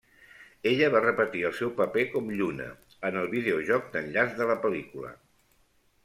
Ella va repetir el seu paper com Lluna en el videojoc d'enllaç de la pel·lícula.